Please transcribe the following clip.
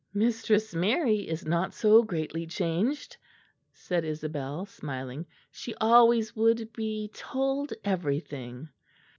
"Mistress Mary is not so greatly changed," said Isabel, smiling. "She always would be told everything."